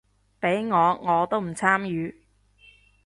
畀我我都唔參與